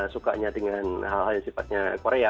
sukanya dengan hal hal yang sifatnya korea